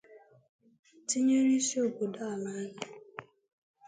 tinyere isi obodo ala anyị